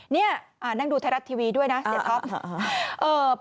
นี่นั่งดูไทยรัฐทีวีด้วยนะเสียท็อป